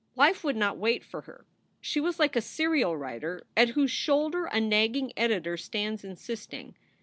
Life would not wait for her. She was like a serial writer at whose shoulder a nagging editor stands insisting.